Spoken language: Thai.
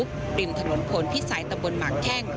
กลิ่นถนนพลพิสัยตำรวจหมางแข้ง